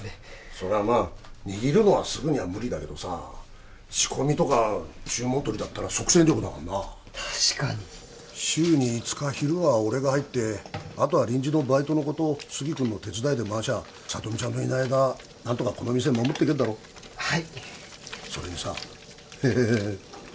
そりゃまあ握るのはすぐには無理だけどさ仕込みとか注文取りだったら即戦力だからな確かに週に５日昼は俺が入ってあとは臨時のバイトの子と杉君の手伝いで回しゃあ聡美ちゃんのいない間何とかこの店守っていけんだろはいそれにさフフフフ